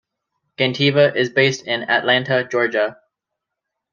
Gentiva is based in Atlanta, Georgia.